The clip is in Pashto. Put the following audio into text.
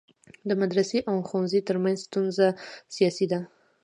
د مدرسي او ښوونځی ترمنځ ستونزه سیاسي ده.